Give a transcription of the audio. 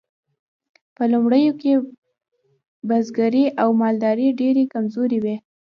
په لومړیو کې بزګري او مالداري ډیرې کمزورې وې.